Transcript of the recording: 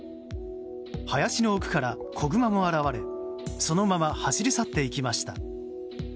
林の奥から子グマも現れそのまま走り去っていきました。